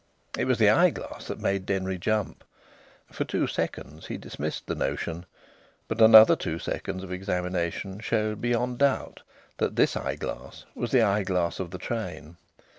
It was the eyeglass that made Denry jump. For two seconds he dismissed the notion.... But another two seconds of examination showed beyond doubt that this eyeglass was the eyeglass of the train.